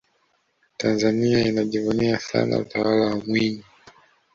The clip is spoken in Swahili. tanzania inajivunia sana utawala wa mwinyi